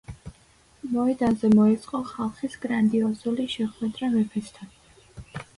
მოედანზე მოეწყო ხალხის გრანდიოზული შეხვედრა მეფესთან.